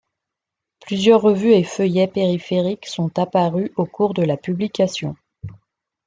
Plusieurs revues et feuillets périphériques sont apparus au cours de la publication.